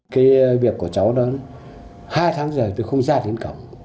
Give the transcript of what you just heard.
cái việc của cháu đó hai tháng rồi tôi không ra đến cậu